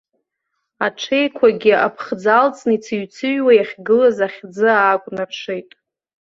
Аҽеиқәагьы аԥхӡы алҵны ицыҩцыҩуа иахьгылаз ахьӡы аакәнаршеит.